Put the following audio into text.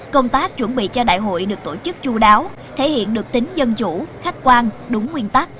công tác chuẩn bị cho đại hội được tổ chức chú đáo thể hiện được tính dân chủ khách quan đúng nguyên tắc